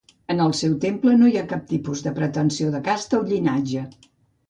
En el seu temple no hi ha cap tipus de pretensió de casta o llinatge.